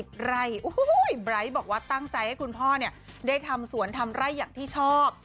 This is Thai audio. ไบร์ทบอกว่าตั้งใจให้คุณพ่อเนี่ยได้ทำสวนทำไร่อย่างที่ชอบ